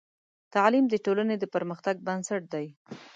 تعلیم د ټولنې د پرمختګ بنسټ دی.